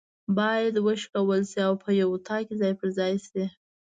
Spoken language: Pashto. بايد وشکول سي او په یو اطاق کي ځای پر ځای سي